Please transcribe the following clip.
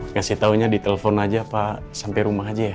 kasih taunya di telepon aja apa sampai rumah aja ya